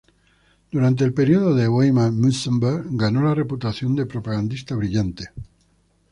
Durante el periodo de Weimar, Münzenberg ganó la reputación de propagandista brillante.